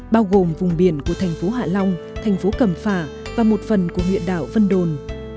bao gồm vùng biển của thành phố hạ long thành phố cẩm phả và một phần của huyện đảo vân đồn